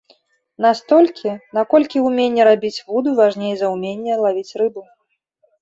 Настолькі, наколькі ўменне рабіць вуду важней за ўменне лавіць рыбу.